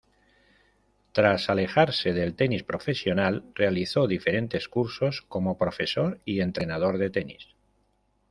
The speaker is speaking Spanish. Tras alejarse del tenis profesional realizó diferentes cursos como profesor y entrenador de tenis.